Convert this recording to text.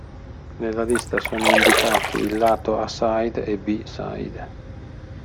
Nella lista sono indicati il lato A-Side e B-side